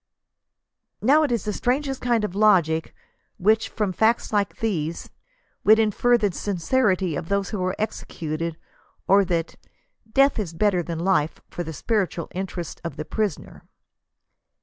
Now it is the strangest kind of logic which, from facts like these, would infer the sincerity of those who are executed, or that " death is better than life for the spiritual interests of the prisoner."